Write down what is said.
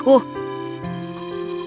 aku ingin piano yang besar